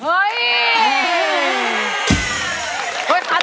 ร้องได้ไข่ล้าง